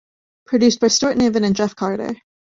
Produced by Stuart Niven and Jef Carter.